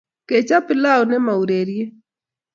Kechob pilau ne mo urerie.